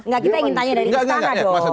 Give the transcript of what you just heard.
gak kita yang ingin tanya dari istana dong